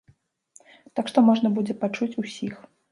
Так што можна будзе пачуць усіх.